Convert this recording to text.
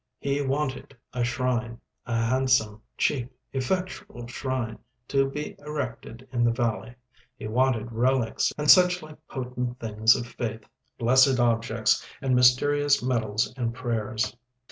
He wanted a shrine—a handsome, cheap, effectual shrine—to be erected in the valley; he wanted relics and such like potent things of faith, blessed objects and mysterious medals and prayers.